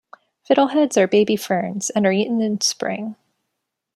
Fiddleheads are baby ferns, and are eaten in spring.